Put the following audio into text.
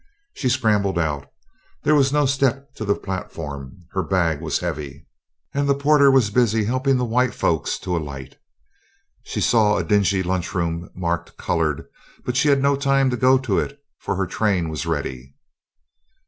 She scrambled out. There was no step to the platform, her bag was heavy, and the porter was busy helping the white folks to alight. She saw a dingy lunchroom marked "Colored," but she had no time to go to it for her train was ready.